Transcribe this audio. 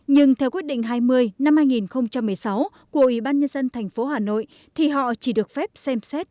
nhưng theo quyết định hai mươi năm hai nghìn một mươi sáu của ủy ban nhân dân thành phố hà nội thì họ chỉ được phép xem xét